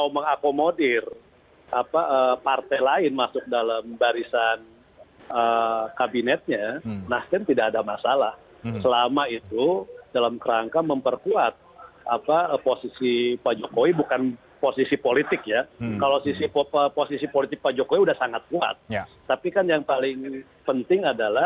jadi secara prinsip keberatan apalagi mempersoalkan